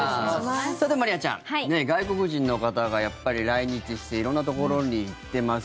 さて、まりあちゃん外国人の方がやっぱり来日して色んなところに行ってます。